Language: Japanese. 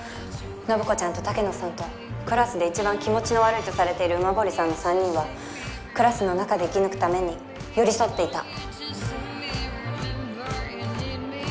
信子ちゃんと竹野さんとクラスで一番気持ち悪いとされている馬堀さんの三人はクラスの中で生き抜くために寄り添っていた。